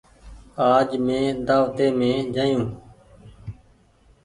آج مين دآوتي مين جآيو۔